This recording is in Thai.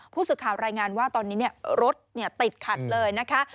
ผู้สึกข่าวรายงานว่าตอนนี้เนี้ยรถเนี้ยติดขัดเลยนะคะครับ